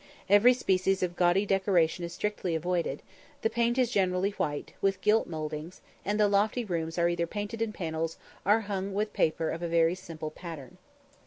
Every species of gaudy decoration is strictly avoided; the paint is generally white, with gilt mouldings; and the lofty rooms are either painted in panels, or hung with paper of a very simple pattern.